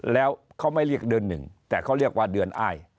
แล้วเขาไม่เรียกเดือนหนึ่งแต่เขาเรียกว่าเดือนอ้าย